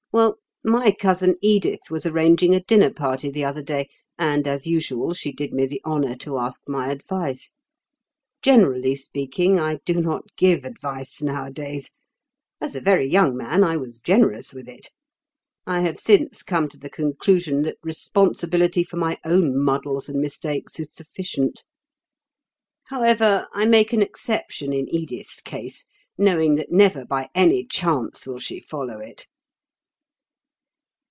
"Well, my cousin Edith was arranging a dinner party the other day, and, as usual, she did me the honour to ask my advice. Generally speaking, I do not give advice nowadays. As a very young man I was generous with it. I have since come to the conclusion that responsibility for my own muddles and mistakes is sufficient. However, I make an exception in Edith's case, knowing that never by any chance will she follow it."